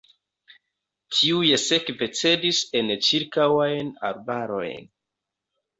Tiuj sekve cedis en ĉirkaŭajn arbarojn.